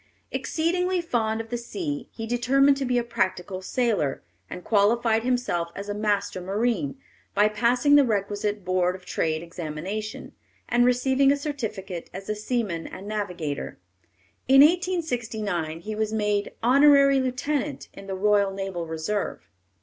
Exceedingly fond of the sea, he determined to be a practical sailor, and qualified himself as a master marine, by passing the requisite Board of Trade examination, and receiving a certificate as a seaman and navigator. In 1869 he was made Honorary Lieutenant in the Royal Naval Reserve.